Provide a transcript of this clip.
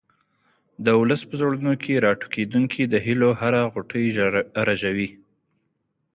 د ولس په زړونو کې راټوکېدونکې د هیلو هره غوټۍ رژوي.